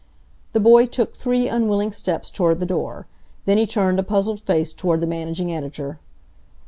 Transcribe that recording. The boy took three unwilling steps toward the door. Then he turned a puzzled face toward the managing editor.